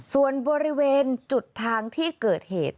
ส่วนบริเวณจุดทางที่เกิดเหตุ